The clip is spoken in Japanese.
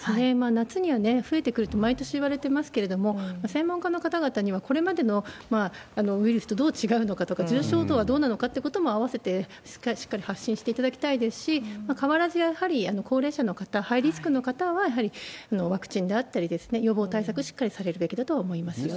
夏には増えてくるって毎年いわれてますけれども、専門家の方々には、これまでのウイルスとどう違うのかとか、重症度はどうなのかということも合わせてしっかり発信していただきたいですし、変わらず、やはり高齢者の方、ハイリスクの方は、やはりワクチンであったり、予防対策をしっかりされるべきだと思いますね。